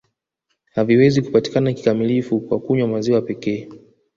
Haviwezi kupatikana kikamilifu kwa kunywa maziwa pekee